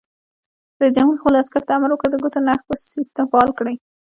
رئیس جمهور خپلو عسکرو ته امر وکړ؛ د ګوتو نښو سیسټم فعال کړئ!